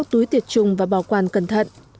các túi tiệt trùng và bảo quản cẩn thận